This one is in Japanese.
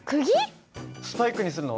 スパイクにするの？